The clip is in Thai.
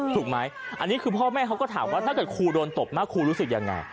ถูกไหมอันนี้คือพ่อแม่เขาก็ถามว่าถ้าเกิดครูโดนตบมากครูรู้สึกยังไง